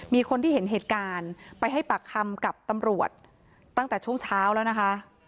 มีคนที่เห็นเหตุการณ์ไปให้ปากคำกับตำรวจตั้งแต่ช่วงเช้าแล้วนะคะ